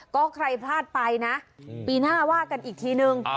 ก็ใครพลาดไปนะปีหน้าว่ากันอีกทีนึง